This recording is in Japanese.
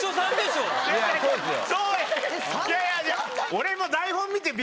俺も。